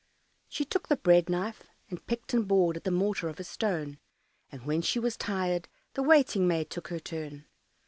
She took the bread knife, and picked and bored at the mortar of a stone, and when she was tired, the waiting maid took her turn.